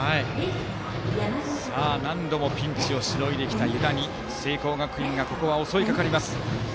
何度もピンチをしのいできた湯田に聖光学院が襲い掛かります。